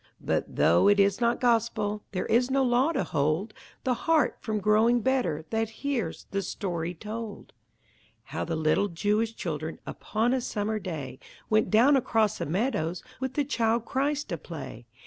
But though it is not Gospel, There is no law to hold The heart from growing better That hears the story told: How the little Jewish children Upon a summer day, Went down across the meadows With the Child Christ to play.